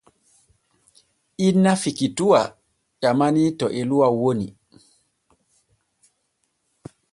Inna Fikituwa ƴamanii to Eluwa woni.